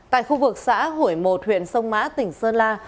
tại khu vực xã hội một huyện sông mã tỉnh sơn la